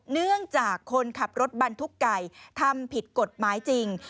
เนื่องจากคนขับรถบรรทุกไก่ทำผิดกฎหมายจริง